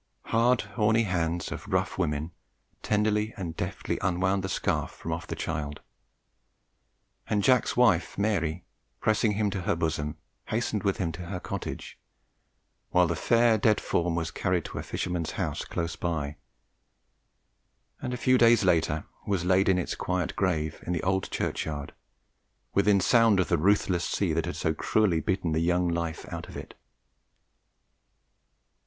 "Hard horny hands of rough women tenderly and deftly unwound the scarf from off the child; and Jack's wife, Mary, pressing him to her bosom, hastened with him to her cottage, while the fair dead form was carried to a fisherman's house close by, and a few days later was laid in its quiet grave in the old churchyard, within sound of the ruthless sea that had so cruelly beaten the young life out of it.